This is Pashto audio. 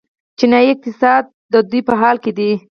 چینايي اقتصاد د ودې په حال کې دی.